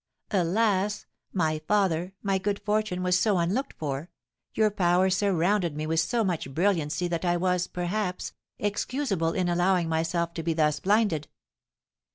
Alas! my father, my good fortune was so unlooked for, your power surrounded me with so much brilliancy, that I was, perhaps, excusable in allowing myself to be thus blinded."